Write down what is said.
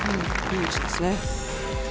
いい位置ですね。